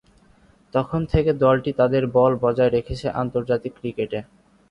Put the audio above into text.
তখন থেকে, দলটি তাদের বল বজায় রেখেছে আন্তর্জাতিক ক্রিকেটে।